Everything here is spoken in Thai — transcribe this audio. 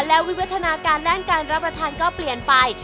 แล้ววิวัฒนาการด้านการรับประทานก็เปลี่ยนไป